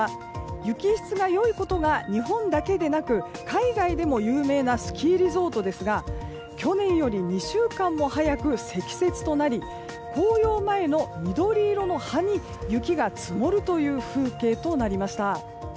雪質が良いことが日本だけでなく海外でも有名なスキーリゾートですが去年より２週間も早く積雪となり、紅葉前の緑色の葉に雪が積もるという風景となりました。